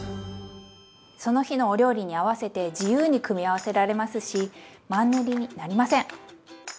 その日のお料理に合わせて自由に組み合わせられますしマンネリになりません！